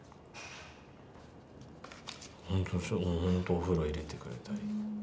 お風呂入れてくれたり。